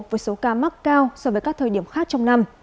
với số ca mắc cao so với các thời điểm khác trong năm